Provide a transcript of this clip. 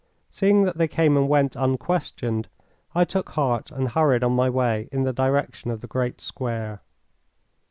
Seeing that they came and went unquestioned, I took heart and hurried on my way in the direction of the great square.